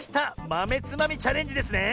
まめつまみチャレンジですね！